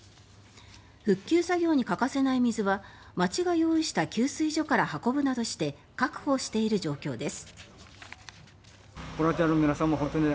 復旧作業に欠かせない水は町が用意した給水所から運ぶなどして確保している状況です。